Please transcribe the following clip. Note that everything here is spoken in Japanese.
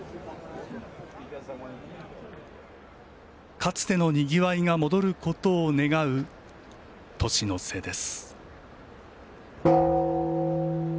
かつてのにぎわいが戻ることを願う、年の瀬です。